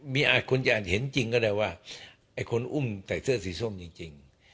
มีอาจคุณจะอาจเห็นจริงก็ได้ว่าไอ้คนอุ้มใส่เสื้อสีส้มจริง